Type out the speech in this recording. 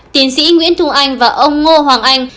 tiến sĩ nguyễn thu anh và ông ngô hoàng anh